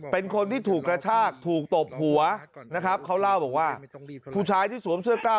เป็นคนที่ถูกกระชากถูกตบหัวนะครับเขาเล่าบอกว่า